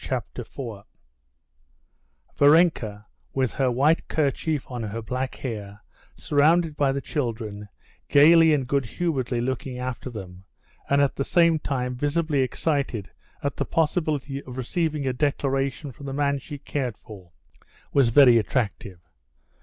Chapter 4 Varenka, with her white kerchief on her black hair, surrounded by the children, gaily and good humoredly looking after them, and at the same time visibly excited at the possibility of receiving a declaration from the man she cared for, was very attractive.